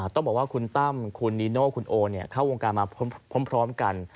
ต้องบอกว่าคุณตั้มคุณนิโน่คุณโอเข้าวงการมาพร้อมกัน